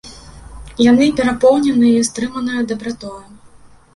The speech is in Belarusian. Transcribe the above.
Яны перапоўнены стрыманаю дабратою.